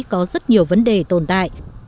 có rất nhiều vấn đề tồn tại